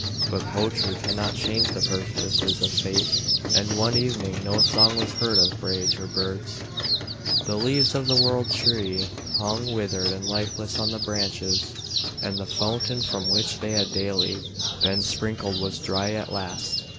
But poetry cannot change the purposes of fate, and one evening no song was heard of Brage or birds, the leaves of the world tree hung withered and lifeless on the branches, and the fountain from which they had daily been sprinkled was dry at last.